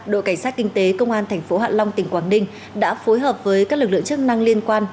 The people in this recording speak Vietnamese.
đội cảnh sát kinh tế công an thành phố hạ long tỉnh quảng đinh đã phối hợp với các lực lượng chức năng liên quan